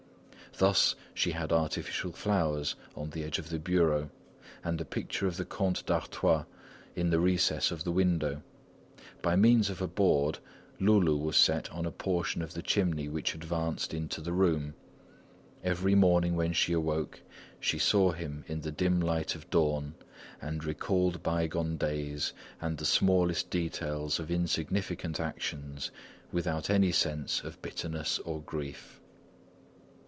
Thus, she had artificial flowers on the edge of the bureau, and the picture of the Comte d'Artois in the recess of the window. By means of a board, Loulou was set on a portion of the chimney which advanced into the room. Every morning when she awoke, she saw him in the dim light of dawn and recalled bygone days and the smallest details of insignificant actions, without any sense of bitterness or grief.